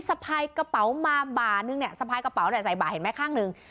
สะพายกระเป๋ามาบ่านึงเนี่ยสะพายกระเป๋าเนี่ยใส่บ่าเห็นไหมข้างหนึ่ง